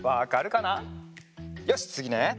よしっつぎね！